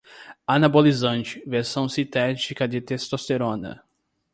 anabolizante, versão sintética da testosterona